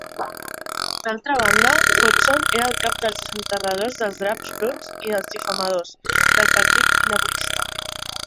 D'altra banda, Hodgson era el "cap dels desenterradors dels draps bruts i dels difamadors" del partit laborista.